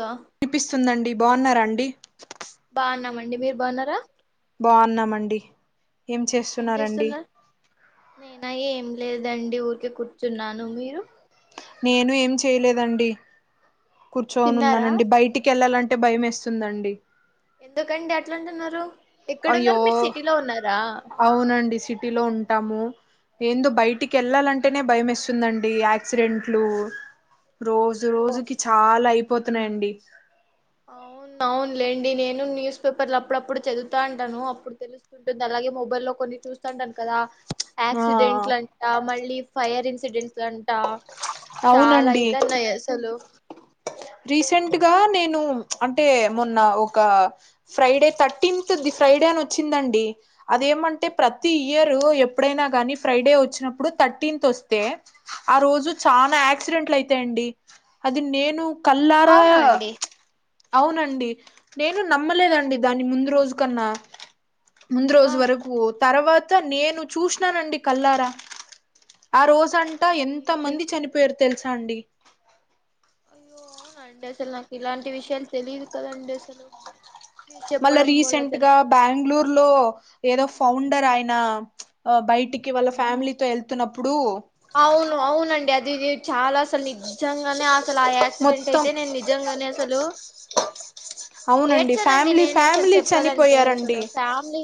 లో వినిపిస్తుందండి బాగునారాఅ [unintelligible] అండి మీరు బాగున్నారా బాగున్నామండి ఏం చేస్తున్నారు నేనా ఏం లేదండి ఊరికే కూర్చున్నాను మీరు నేను ఏం చేయలేదండి కూర్చొని తిన్నారా ఉన్నానండి బయటికి వెళ్ళాలంటే అంటే భయంవెస్తుందండి ఎందుకండి అట్లా అంటున్నారు అయ్యో అవునండి సిటీ లో ఉంటాము ఎందు అవునా బయటికి వెళ్ళాలంటే అంటేనే భయం ఇస్తుందండి యాక్సిడెంట్లు రోజు ఓ రోజుకి చాలా అయి పోతున్నాయంండి అవును అవునులేండి నేను న్యూస్ పేపర్లు అప్పుడప్పుడు చదువుతాంటాను అప్పుడు తెలుస్తుంటుంది. అలాగే మొబైల్ లో కొన్ని చూస్తాంటాను కదా ఆ యాక్సిడెంట్లు అంటా మళ్ళీ ఫైర్ ఇన్ సిడ్రిన్స్ అసంటా చాలా అయితున్నాయి. అసలు రీసెంట్గా నేను అంటే మొన్న ఒక ఫ్రైడే థర్టీన్త్ ఫ్రైడే అని వచ్చిందండి అదేమంటే ప్రతి ఇయరు ఎప్పుడైనా కానీ ఫ్రైడే వచ్చినప్పుడు థర్టీన్త్ వస్తే ఆ రోజు చాలా యాక్సిడెంట్లు అయితాయండి. అది నేను కళ్ళారా అవునా అండి అవునండి నేను నమ్మలేదండి దాని ముందు రోజు కన్నా ముందు ఆ రోజు వరకు తర్వాత్ అతనేను చూసినానండి కళ్లారా ఆ అవునా రోజంటా ఎంత అండి మంది చనిపోయారు. తెలుసా అండి. అండి అసలు నాకు ఇలాంటి విషయాలు తెలియదు కదండి అసలు మీరు మళ్ళా చెప్పడం వల్ల రీసెంట్ గా తెలుసుకున్నాను బాంగ్ ఇది ళూరులో ఏదో ఫౌండర్ అయి నా బయటికి వాళ్ళ ఫ్యామిలీతో వెళ్తున్నప్పుడు అవును అవునండి అజి జి డ్ చాలా అసలు నిజ్జంగానే అసలు ఆ యాక్సిడెంట్ మొత్తం అయితే నేను నిజంగానే అసలు అవునండి ఏడ్చానండి. ఫ్యామిలీ నేను అసలు ఫ్యామిలీ చెప్పాలంటే అసలు చనిపోయారండి ఫ్యామిలీ.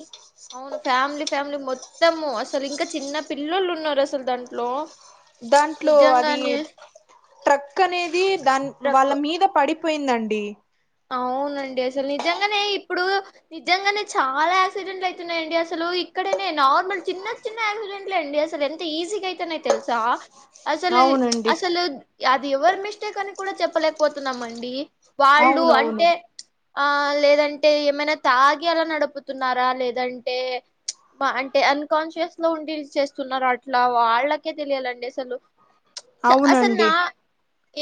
ఫ్యామిలీ ఫ్యామిలీ మొత్తము అసలు ఇంకా చిన్న పిల్లొల్లు ఉన్నారు. అసలు దాంట్ లో దాంట్లో అది ట్రక్ అనేది దాని వాళ్ళ రక్ మీద పడి పోయిందండి. అవునండి అసలు నిజంగానే ఇప్పుడు నిజంగానే చాలా యాక్సిడెంట్లు అయితున్నాయండి అసలు ఇక్కడనే నార్మల్ చిన్న చిన్న యాక్సిడెంట్లు అండి అసలు ఎంత ఈజీగా అయితున్నాయో తెలుసా! అసలు చ్ అవునండి అసలు అది ఎవరు మిస్టేక్ అని కూడా చెప్పలేకపోతున్నామ అండి వాళ్ అవునువును ఆ లేదంటే ఏమైనా తాగి అలా నడుపుతున్నారా లేదంటే మ్చ్ అంటే అన్కాన్షియస్ లో ఉండి చేస్తున్నారా అట్లా వాళ్ళకే తెలియాలండి. అసలు అవునండి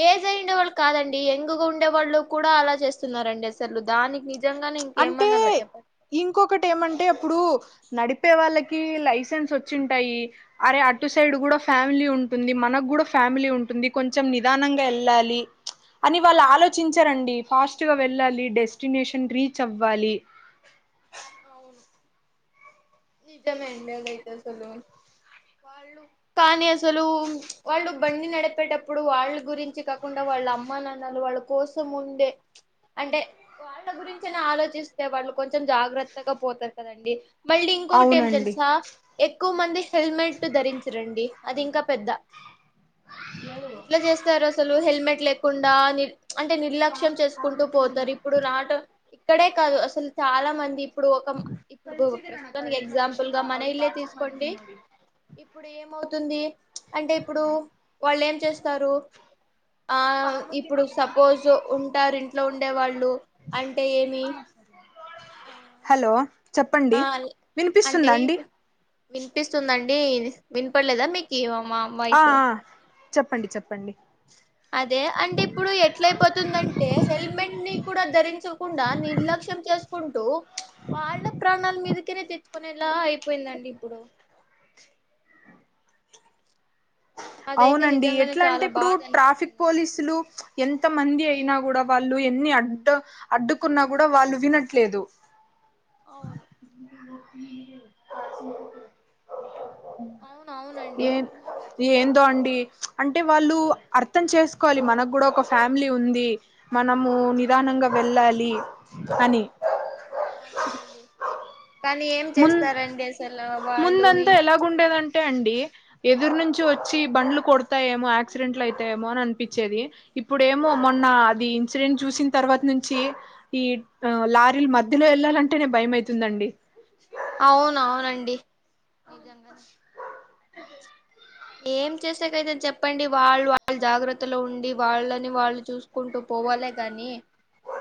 ఏజైన వాళ్ళు కాదండి ఎంగుగా ఉండేవాళ్ళు కూడా అలా చేస్తున్నారండి అసలు దానికి నిజంగానే చ్ అంటే ఇంకేమనాలా చెప్పండి ఇంకొకటి ఏమంటే అప్పుడు నడిప్ చెప్పే వాళ్ళకి లైసెన్స్ వచ్చింటాయి అరే అటు సైడ్ కూడా ఫ్యామిలీ ఉంటుంది. మనకు కూడా ఫ్యామిలీ ఉంటుంది. కొంచెం నిదానంగా వెళ్ళాలి అని వాళ్ళు ఆలోచించారండి ఫాస్ట్ గా వెళ్ళాలి డెస్టినేషన్ రీచ్ చ్చవ్వాలి నిజమేండి అదైతే అసలు వాళ్ళు కానీ అసలు వాళ్ళు బండి నడిపేటప్పుడు వాళ్ళ గురించి కాకుండా వాళ్ళ అమ్మా నాన్నలు వాళ్ళ కోసం ఉండే మ్చ్ అంటే వాళ్ళ గురించినే ఆలోచిస్తే వాళ్ళు కొంచెం జాగ్రత్త చత్తగా పోతారు కదండి. మళ్ళీ ఇంకొకటి ఏం అవునండి తెలుసా ఎక్కువ మంది హెల్మెట్ ధరించరండి. అది ఇంకా పెద్ద ఎట్లా చేస్తారు. అసలు హెల్మెట్ లేకుండా నిర్ మ్చ్ అంటే నిర్లక్ష్యం చేసుకుంటూ పోతారు. ఇప్పుడు నాట ఇక్కడే కాదు అసలు చాలా మంది ఇప్పుడు ఒక ఇప్పుడు ప్రస్తుతానికి ఎగ్జాంపుల్ గా మన ఇల్లే తీసుకోండి. ఇప్పుడు ఏమవుతుంది అంటే ఇప్పుడు వాళ్ళు ఏం చేస్తారు? ఆ ఇప్పుడు సపోజ్ ఉంటారు ఇంట్లో ఉండే వాళ్ళు అంటే ఏమి హలో చెప్పండి ఆ అంటే వినిపిస్తుందా అండి ఈవ్ వినిపిస్తుందండీ హ్ వినపడలేదా మీకు ఓం మా ఆ మైసు ఆ చెప్పండి చెప్పండి అదే అంటే ఇప్పుడు ఎట్లయిపోతుందంటే హెల్మెట్ ని కూడా ధరించకుండా నిర్లక్ష్యం చేసుకుంటూ చుప్ వాళ్ళ ప్రాణాల మీదకెనే తెచ్చుకునేలా అయిపోయిందండి ఇప్పుడు. అదైతే అవునండి నిజంగానే ఎట్లా అంటే చాలా ఇప్పుడు బాధ ట్రాఫిక్ అనిపిస్తుందండి అసలు పోలీసులు చుప్ ఎంత్ ఎంత మంది అయినా కూడా వాళ్ళు ఎన్ని అడ్డ అడ్డుకున్నా కూడా వాళ్ళు వినట్లేదు అవును అవును అవునండి. ఏం దో అండి చుప్ అంటే వాళ్ళు అర్థం చేసుకోవాలి మనకు కూడా ఒక ఫ్యామిలీ ఉంది. మనము ఆ, నిదానంగా వెళ్ళాలి లి అని అవునండి కానీ ఏం ముం చేస్తారండి అసలు వాళ్ళు విన టె. అండి ఎదురు నుంచి వచ్చి బండ్లు కొడతాయేమో యాక్సిడెంట్లు అయితాయేమో అని అనిపించేది. ఇప్పుడేమో ఆ, మొన్న అది ఇన్సిడెంట్ చూసిన తర్వాత నుంచి ఈ లారీల మధ్యలో వెళ్ళాలంటేనే భయ అవుతుందండి. అవును అవునండి. నిజంగనే ఏం చేసేకయితే చెప్పండి వాళ్ళు వాళ్ళ జాగ్రత్తలో ఉండి వాళ్ళని వాళ్ళు చూసుకుంటూ పోవాలె గాని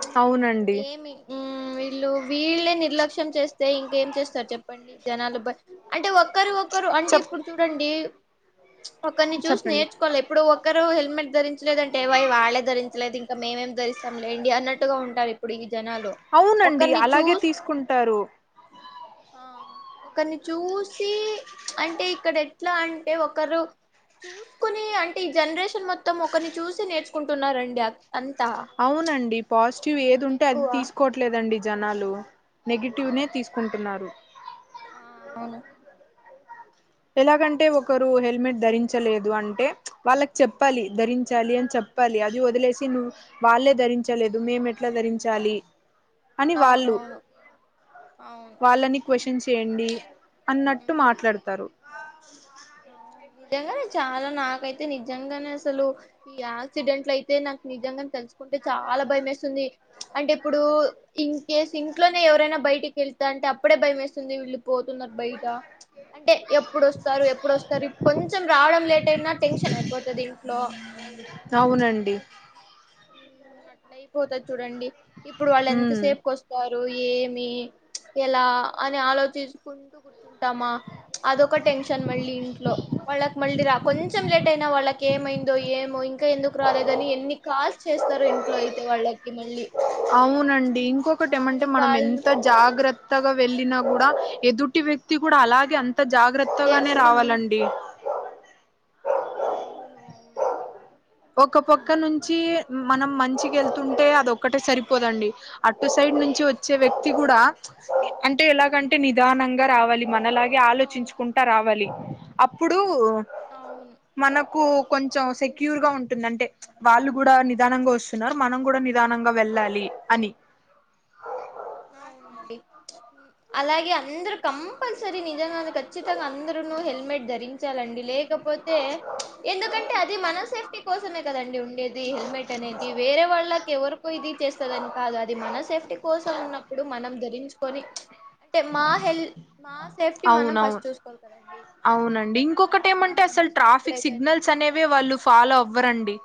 చుప్ అవునండి ఏమి ఊమ్మ్ లో వీళ్లే నిర్లక్ష్యం చేస్ తే ఇంకేం చేస్తారు చెప్పండి. జనాలు బ అంటే ఒక్కరు ఒక్కరు అంటే చెప్ ఇప్పుడు చూడండి. ఒకరిని చూసి చెప్పండి నేర్చుకోవాలి ఎప్పుడు ఒకరు హెల్మెట్ ధరించలేదంటే వై వాళ్ళే ధరించలేదింక మేమేం ధరిస్తాం లేండి అన్నట్టుగా ఉంటారు ఇప్పుడు ఈ జనాలు అవునండి ఒకరిని అలాగే చూస్ తీసుకుంటారు ఆ ఒకరిని చూసి చుప్ అంటే ఇక్కడ ఎట్లా అంట్ అంటే ఒకరు చూసుకుని అంటే ఈ జనరేషన్ మొత్తం ఒకరిని చూసి నేర్చుకుంటున్నారండి అ అవునండి పాజిటివ్ ఏది మ్మ్ ఉంటే అది ఎక్కువ తీసుకోవట్లేదండి జనాలు నెగిటివ్నే తీసుకుంటున్నారు ఆ అవును ఎలాగంటే ంట ఒకరు హెల్మెట్ ధరించ చాలేదు అంటే వాళ్ళకి చెప్పాలి ధరించాలి అని చెప్పాలి అది వదిలేసి నువ్వు వాళ్ళే ధరించలేదు మేము ఎట్లా ధరించాలి అని వాళ్ళు అవునవును అవును వాళ్ళని క్వశ్చన్ చేయండి అన్నట్టు ఉమ్, మాట్లాడతారు వ్ నిజంగానే చాలా నాకైతే నిజంగానే అసలు ఈ యాక్సిడెంట్లు అయితే నాకు నిజంగా తెలుసు కుంటే చాలా భయం వేస్తుంది అంటే ఇప్పుడు ఇన్ కేస్ ఇంట్లోనే ఎవరైనా బయట ఇంటికి వెళ్తా అంటే అప్పుడే భయ వేస్తుంది వీళ్ళు పోతున్నారు బయట అంటే ఎప్పుడు వస్తారు సర కొంచెం రావడం లేట్ అయినా టెన్షన్ అయిపోతుది ఇంట్లో అవునండి అట్ల అయిపోతది చూడండి ఇప్పుడు వాళ్ళు ఎంత ఉమ్ సేపుకి వస్త ఏమి ఎలా అని ఆలోచించుకుంటూ కూర్చుంటామా అదొక టెన్షన్ మళ్ళీ ఇంట్లో వాళ్ళకి మళ్ళీ రా కొంచెం లేట్ అయినా వాళ్ళకి కేేమైందో ఏ మో కా ఎందుకు రాలేదని ఎన్ని కాల్ చేస్తారు ఇంట్లో అయితే వాళ్ళకి మళ్ళీ అవునండి ఇంకొకటి ఏమంటే వాళ్ళు మనం కాల్ ఎంత జాగ్రత్త త్తగా వెళ్ళిన కూడా ఎదుటి వ్యక్తి కూడా అలాగే అంత అంత జాగ్రత్తగానే ఏవండి మీ రావాలండి అవును అవును ఒక పక్క ఉమ్. నుంచి మనం మంచికి వెళ్తుంటే అది ఒక్కటే సరిపోదండి అటు సైడ్ నుంచి వచ్చే వ్యక్తి కూడా అంటే ఎలాగంటే నిదానంగా రావాలి మనలాగే అవును ఆలోచించుకుంటా రావాలి అప్పుడు అవును మనకు కొంచెం సెక్యూ గా ఉంటుంది ఉంటుంది అంటే వాళ్ళు కూడా నిదానంగా వస్తున్నారు మనం కూడా నిదానంగా వెళ్ళాలి అని అవునండి అలాగే అంద్ర కంపల్సరి నిజం ఖచ్చితంగా అందరూను హెల్మెట్ ధరించ చాలండి లే లేకపోతే ఎందుకంటే అది మన సేఫ్టీ కోసమే కదండి ఉండేది హెల్మెట్ అనేది వేరే వాళ్ళకి ఎవరు కు ఇది చేస్తదని కాదు అది మన సేఫ్టీ కోసం ఉన్న ఇప్పుడు మనం ధరించుకొని మా హెల్ మా సేఫ్టీ మనం ఫస్ట్ అవునవును చూసుకోవాలి కదండి అవునండి ఇంకొకటి ఏమంటే అసలు ఫస్ట్ ఎప్పుడే ట్రాఫిక్ కానీ సిగ్నల్స్ అనేవి వాళ్ళు ఫాలో అవ్వరండి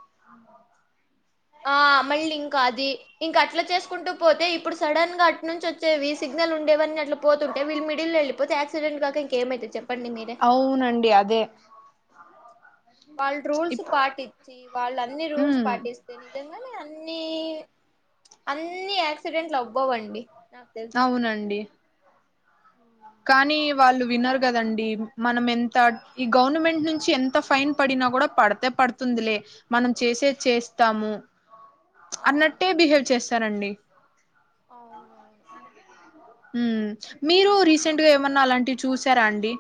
ఆ మళ్ళీ ఇంకా అది ఇంక అట్లా చేసుకుంటూ పోతే ఇప్పుడు సడన్ గా అటు నుంచి వచ్చు చేవి సిగ్నల్ ఉండేవి అన్ని అట్లా పోతుంటే వీళ్ళు మిడిల్ లో వెళ్ళిపోతే ఆక్సి యాక్సిడెంట్ గాకా ఇంకేం అయితది చెప్పు అవునండి అదే వాళ్ళు రూల్స్ ఇప్ పాటించి వాళ్ళు అన్ని రూల్స్ ఉమ్ పాటిస్తే ని నిజంగానే అన్నీ అన్నీ యాక్సిడెంట్లు అవ్వవండి నాకు తెలిసినంత వరకు అవునండి ఉ కానీ వాళ్ళు వినరు కదండి మనం ఎంత ఈ గవర్నమెంట్ నుంచి ఎంత ఫైన్ పడినా కూడా పడితే పడుతుందిలే మనం చేసే చేస్తాము అవును అన్నట్టే బిహేవ్ చేసు తరండి అవునవును హ్మ్ మీరు రీసెంట్ అది గా ఏమన్నా అలాంటివి చూసి తరండి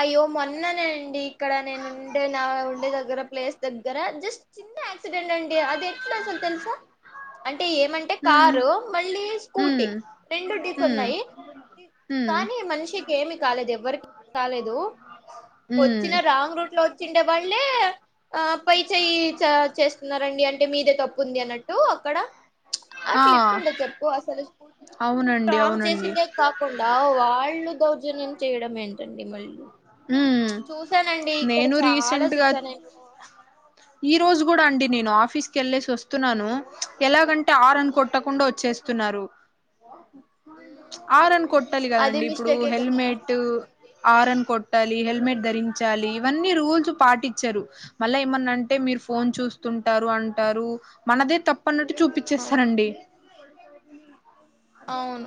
అయ్యో మొన్ననే అండి ఇక్కడ నేను ఉండే నా ఉండే దగ్గర ప్లేస్ దగ్గర జస్ట్ చిన్న యాక్సిడెంట్ అండి అది ఎట్లా అసలు తెలుసా అంటే ఏమంటే ఉమ్ కారు మళ్ళీ స్కూటీ ఉమ్ రెండు డీ ఉమ్ కొన్నాయి ఉమ్ కానీ మనిషికి ఏమి కాలేదు ఎవ్వరికి రాలేదు ఉమ్ వచ్చిన రాంగ్ రూట్ లో వచ్చిండే వాళ్ళే ఆ పై చేయి చ చేస్తున్నారండి అంటే మీదే తప్పుంది అన్నట్టు అక్కడ ఆ అట్లు ఎట్లుంటది చెప్పు అసలు స్కూ వచ్చి అవునండి రాంగ్ అవునండి చేసిందే కాకుండా వాళ్ళు కో జూనియం చేయడం ఎందుకు రండి మల్లి హ్మ్ నేను చాలా రీసెంట్గా చూసా నేను ఈ రోజు కూడా అండి నేను ఆఫీస్ కే వెళ్ళసి వస్తున్నాను ఎలాగం హారన్ కొట్టకుండా వచ్చేసు తున్నారు ఉమ్ హారన్ అవును కొట్టాలి అది కదండి ఇప్పుడు మిస్టేకే కదా హెల్మెట్ హారన్ కోట్ టాలి హెల్మెట్ ధరించాలి ఇవన్నీ రూల్స్ పాటించరు మళ్ళా ఏమన్నాంటే మీరు ఫోన్ చూస్తుంటారు అంటారు మనదే తప్పు పన్నట్టు ఆ చూపించేస్తారండి అవును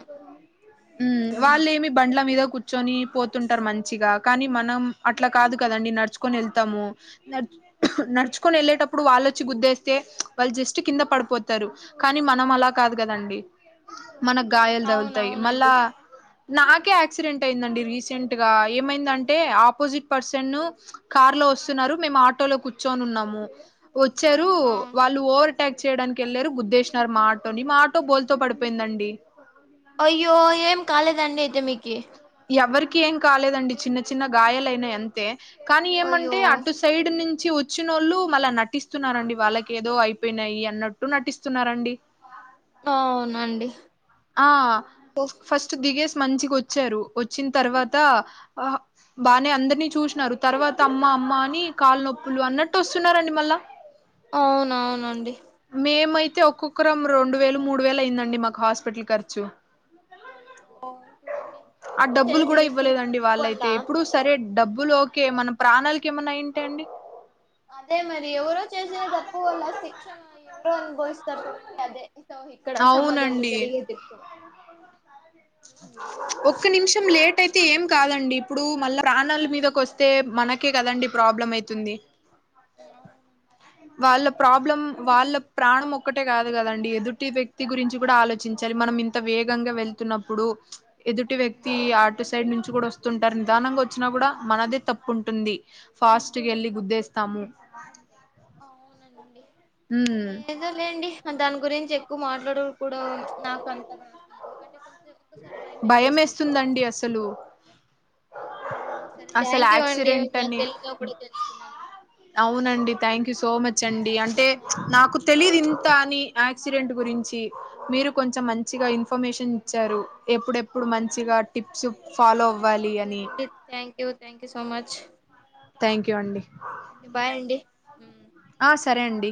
ఉ వాళ్ళేమి బండ్ల మీద కూర్చొని పోతుంటారు మంచిగా కానీ మనం అట్లా కాదు కదండి నడుచుకొని ఎళ్తాము న నడుచుకొని ఎళ్ళేటప్పుడు వాళ్ళొచ్చి గుద్దేస్తే వాళ్ళు జస్ట్ కింద పడిపోతారు కానీ మనం అలా కాదు కదండి మన గాయాలు తగులుతాయి మళ్ళా అవునవునండి నాకే యాక్సిడెంట్ అయిందండి రీసెంట్ గా ఏమైందంటే ఆపోజిట్ పర్సన్ కార్ లో వస్తున్నారు మేము ఆటోలో కూర్చొని ఉన్నాము వచ్చారు ఆ వాళ్ళు ఓర్ అటాక్ చేయడానికి వెళ్ళారు గుద్దేసినారు మా ఆటోని మా ఆటో బోల్తో పడిపోయిందండి అయ్యో ఏం కాలేదండి అయితే మీకి ఎవరికి ఏం కాలేదండి చిన్న చిన్న గాయాలయినా అంతే కానీ అయ్యో ఏమంటే అటు సైడ్ నిన్ నుచి వచ్చినోళ్ళు మళ్ళీ నటిస్తున్నారండి వాళ్ళకి ఏదో అయిపోయినాయి అన్నట్టు నటిస్తున్నారండి అవునండి ఆ ఫస్ట్ దిగేస మంచిగా ఓచ్చారు ఓచ్చిన తర్వాత బానే అందరినీ చూసినారు తర్వాత అమ్మ అమ్మ అని కాళ్ళ నొప్పులు అన్నట్టు వస్తున్నారండి మళ్ళా అవునవునండి అతే ఒక్కొక్కరం రెండు వేలు మూడు వేల అయిందండి మాకు హాస్టల్ స్పిటల్ కరుచు అయ్యో చూడండి ఆ ఎవరో డబ్బులు కూడా చేసిసిన ఇవ్వలేదండి తప్పు వల్ల వాళ్ళైతే ఇప్పుడు సరే డబ్బులు ఓకే మన ప్రాణాలకి ఏమన్నాయింటె అండి అదే మరి ఎవరో చేసిన తప్పు వల్ల శిక్షణ ఎవరు అనుభవిస్తారు చూడండి అదే స్టోరీ ఇక్కడ సమాజంలో అవునండి జరిగేదిప్పు ప ఒక్క నిమిష కొంచెం లేట్ అయితే ఏం కాదండి ఇప్పుడు మళ్ళా ప్రాణాల మీదకి వస్తే మనకే కదండడి ప్రాబ్లం అయితుంది అవును వాళ్ళ ప్రాబ్లం వాళ్ళ ప్రాణం ఒక్కటే కాదు కదండి ఎదుటి వ్యక్తి గురించి కూడా ఆలోచించాలి మనం ఇంత వేగంగా వెళ్తున్నప్పుడు ఎదుటి అవును వ్యక్తి ఆటు సైడ్ నుంచి కూడా వ తింటారు నిదానంగా వచ్చినా కూడా మనదే తప్పు ఉంటుంది ఫాస్ట్గా వెళ్ళి గుద్దేస్తాము అవునండి ఉమ్ లేదో లేండి దాని గురించి ఎక్కువ మాట్లాడ కూడా నాకు అంతగా అసలు ఎందుకంటే కొంచెం ఒక్కసారి భయం వేసేస్తది ఏస్తుందండి అసలు అవునా సరే అసలు థ్యాంక్ యూ అండి. యాక్సిడెంట్ నాకు అని తెలియనివి కూడా తెలుసుకున్నాను. అవునండి థ్యాంక్ సో మచ్ అండి అంటే థ్యాంక్ యూ అండి. నాకు తెలిదు ఇంత అని, యాక్సిడెంట్ గురించి మీరు కొంచెం మంచిగా ఇన్ఫర్మేషన్ ఇచ్చారు. ఎప్పుడెప్పుడు ఓ మంచిగా టిప్స్ ఫాలో ఇట్స్ మై అవ్వాలి అని ప్లెజర్ అండి. Thank you. Thank you so much. Thank you అండి. బాయ్ అండి. ఆ సరే అండి.